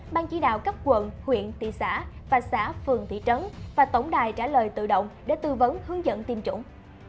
ban chỉ đạo các quận huyện thị xã và xã phường thị trấn và tổng đài trả lời tự động để tư vấn hướng dẫn tiêm chủng